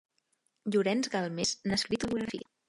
Llorenç Galmés n'ha escrit una biografia.